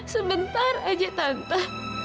sebentar aja tante